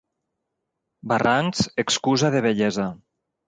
Barrancs, excusa de vellesa.